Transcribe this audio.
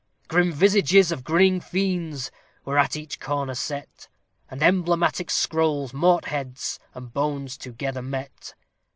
Grim visages of grinning fiends were at each corner set, And emblematic scrolls, mort heads, and bones together met.